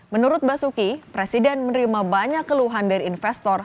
menurut basuki presiden menerima banyak keluhan dari investor